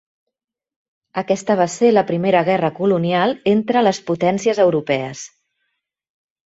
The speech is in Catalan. Aquesta va ser la primera guerra colonial entre les potències europees.